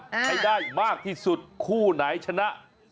ให้ได้มากที่สุดคู่ไหนชนะ